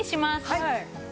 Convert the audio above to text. はい。